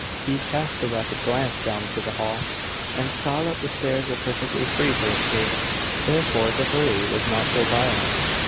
He cast a rapid glance down to the hall, and saw that the stairs were perfectly free for escape; therefore to hurry was not so violent.